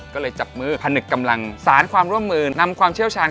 ก็เลยจับมือพนึกกำลังสารความร่วมมือนำความเชี่ยวชาญ